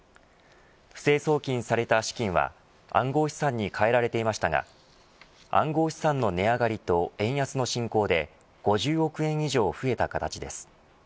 不正送金された資金は暗号資産に換えられていましたが暗号資産の値上がりと円安の進行で５０億円以上増えた形です。